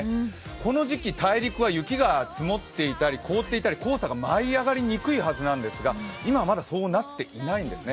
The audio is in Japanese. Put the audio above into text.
この時期大陸は雪が積もっていたり、凍っていたり、黄砂が舞い上がりにくいはずなんですが今はまだそうなっていないんですね。